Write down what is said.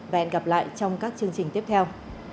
và hẹn gặp lại trong các chương trình tiếp theo